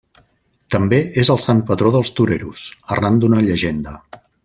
També és el sant patró dels toreros, arran d'una llegenda.